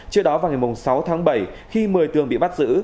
trước đó vào ngày sáu tháng bảy khi một mươi tường bị bắt giữ